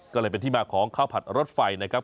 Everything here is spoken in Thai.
ก็เลยเป็นที่มาของข้าวผัดรถไฟนะครับ